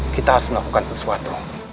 kita harus melakukan sesuatu